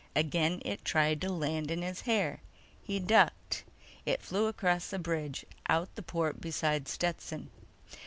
Again it tried to land in his hair. He ducked. It flew across the bridge, out the port beside Stetson.